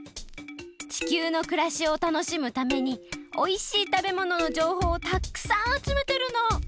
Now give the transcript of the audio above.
地球のくらしをたのしむためにおいしいたべもののじょうほうをたっくさんあつめてるの！